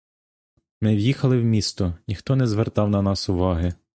Ми в'їхали в місто, — ніхто не звертав на нас уваги.